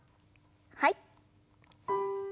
はい。